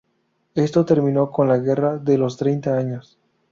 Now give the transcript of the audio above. Esto terminó con la Guerra de los Treinta Años.